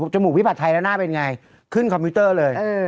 จมูกวิบัติไทยแล้วหน้าเป็นยังไงขึ้นคอมพิวเตอร์เลยเออ